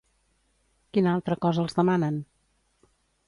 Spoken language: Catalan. Quina altra cosa els demanen?